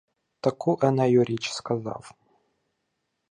Таку Енею річ сказав: